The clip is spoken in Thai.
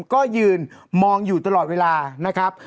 ก็ยืนมองอยู่ตลอดเวลานะครับ